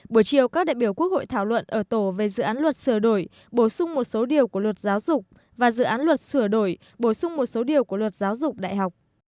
buổi chiều các đại biểu quốc hội thảo luận ở tổ về dự án luật sửa đổi bổ sung một số điều của luật giáo dục và dự án luật sửa đổi bổ sung một số điều của luật giáo dục đại học